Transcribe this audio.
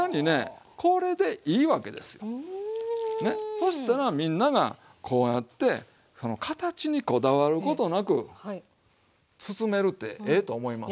そしたらみんながこうやって形にこだわることなく包めるってええと思いません？